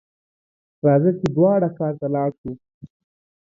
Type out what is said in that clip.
راځه ! چې دواړه ښار ته ولاړ شو.